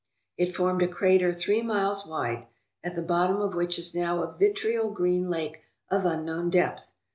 It formed a crater three miles wide, at the bottom of which is now a vitriol green lake of unknown depth.